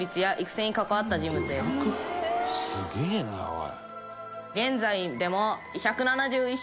すげえなおい。